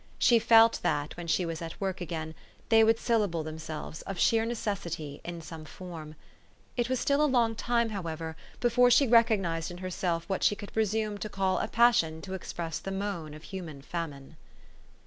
She felt, that, when she was at work again, they would syllable themselves, of sheer necessity, in some form, It was still a long time, however, before she recog nized in herself what she could presume to call a passion to express the moan of human famine.